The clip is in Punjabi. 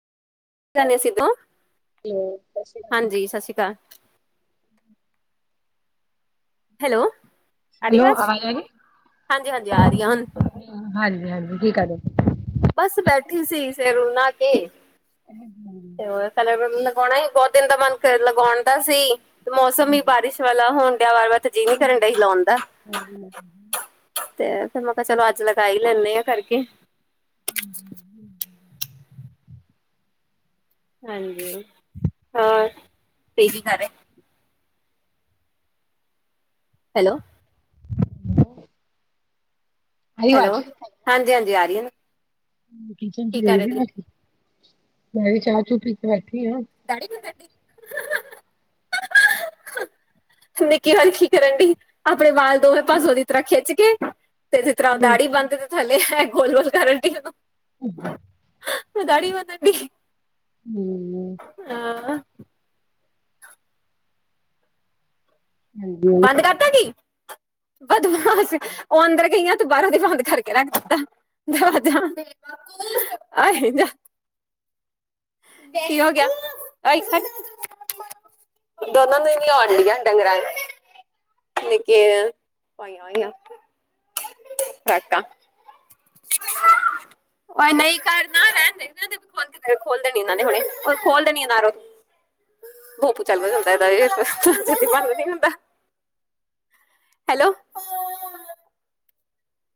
ਕੀ ਹਾਲ ਏ ਸਿੱਖੋ? ਹੈਲੋ, ਸਤਿ ਸ੍ਰੀ ਅਕਾਲ ਜੀ। ਸਤਿ ਸ੍ਰੀ ਅਕਾਲ। ਹੈਲੋ। ਆ ਰਹੀ ਹੈਲੋ ਆਵਾਜ਼ ਅਵਾਜ ਆਰੀ, ਹਾਂਜੀ ਹਾਂਜੀ ਆ ਰਹੀ ਆ ਹੁਣ ਹਾਂਜੀ-ਹਾਂਜੀ, ਕਿ ਕਰ ਰੇ? ਬਸ ਬੈਠੀ ਸੀ, ਫੇਰ ਹੁਨ ਨਾਕੇ। [inaudible] ਹੋਰ ਕਲਰ [unintelligible] ਲਗੋਣਾ ਈ, ਬਹੁਤ ਦਿਨ ਦਾ ਮਨ ਕਰ ਲਗੋਣ ਦਾ ਸੀ। ਮੌਸਮ ਵੀ ਬਾਰਿਸ਼ ਵਾਲਾ ਹੋਣ ਡਿਆ ਵਾਰ-ਵਾਰ ਤੇ ਜੀਅ ਨੀ ਕਰਨ ਡਈ ਲਵੋਣ ਦਾ। ਤੇ ਫਿਰ ਮੈਂ ਕਿਹਾ ਚਲੋ ਅੱਜ ਲਗਾਈ ਲੈਂਨੇ ਆ ਕਰਕੇ। [inaudible] ਹਾਂਜੀ, ਹਾਂ [unintelligible] ਹੈਲੋ, ਆਈ ਆਵਾਜ਼ ਹੈਲੋ, ਹਾਂਜੀ-ਹਾਂਜੀ ਆ ਰੀ ਏ ਨਾ। ਕਿਚਨ ਚ ਕੀ ਕਰ ਰਹੇ ਦੇਖਦੀ ਆ ਤੁਸੀਂ ਬਾਕੀ, ਮੈਂ ਵੀ ਚਾਹ-ਚੂ ਪੀ ਕੇ ਬੈਠੀ ਆਂ। [inaudible] ਨਿੱਕੀ ਹੋਰ ਕੀ ਕਰਨ ਡਈ, ਆਪਣੇ ਵਾਲ ਦੋਵੇਂ ਪਾਸੋਂ ਦੀ ਤਰ੍ਹਾਂ ਖਿੱਚ ਕੇ ਤੇ ਜਿਸ ਤਰ੍ਹਾਂ ਦਾੜੀ [unintelligible] ਥੱਲੇ ਐ ਗੋਲ-ਗੋਲ ਕਰਨ ਡੀ ਆਂ। ਹੂੰ। ਮੈਂ ਦਾੜ੍ਹੀ ਬਨਣ ਡੀ ਹੂੰ। ਹਾਂ। ਹਾਂਜੀ ਬੰਦ ਕਰਤਾ ਕੀ? ਬਦਮਾਸ, ਉਹ ਅੰਦਰ ਗਈਆਂ ਤੇ ਬਾਹਰੋਂ ਦੀ ਬੰਦ ਕਰਕੇ ਰੱਖ ਦਿੱਤਾ, ਦਰਵਾਜ਼ਾ। [unintelligible] ਕੀ ਹੋ ਗਿਆ? ਦੋਨੋ ਦਿਨ ਆਉਣ ਡਈਆ, ਡੰਗਰਾਂ [inaudible] ਨਿੱਕੇ ਜਿਹੀਆਂ ਪਾਈਆ ਹੋਈਆਂ ਫਰਾਕਾ। [unintelligible] ਓ ਨਈਂ ਕਰਨਾ ਰਹਿੰਦੇ, ਰਹਿਣਦੇ ਪੁੱਤ ਖੋਲ ਦੇਣੀ ਇਹਨਾਂ ਨੇ ਹੁਣੇ, ਉਹ ਖੋਲ ਦੇਣੀ ਨਾਂ ਰੋ ਤੂੰ। [unintelligible] ਮਨ ਵੀ ਨੀ ਹੁੰਦਾ। ਹੈਲੋ।